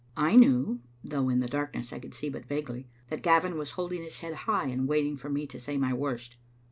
I knew, though in the darkness I could see but vaguely, that Gavin was holding his head high and waiting for me to say my worst.